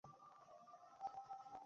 বাইরে লোক বসে আছে।